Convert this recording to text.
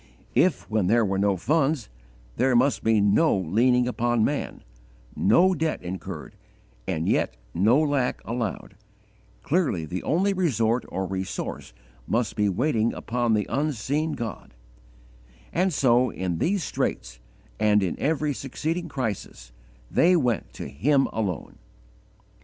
If, when there were no funds, there must be no leaning upon man, no debt incurred, and yet no lack allowed, clearly the only resort or resource must be waiting upon the unseen God; and so, in these straits and in every succeeding crisis, they went to Him alone.